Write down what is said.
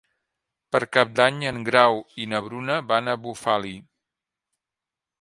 Per Cap d'Any en Grau i na Bruna van a Bufali.